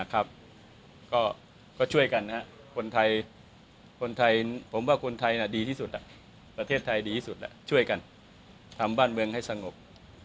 ก็ช่วยกันคนไทยคนไทยผมว่าคนไทยดีที่สุดประเทศไทยดีที่สุดแล้วช่วยกันทำบ้านเมืองให้สงบ